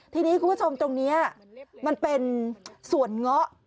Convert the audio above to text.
ทีนี้คุณผู้ชมตรงนี้มันเป็นส่วนเงาะ